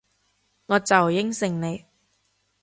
我就應承你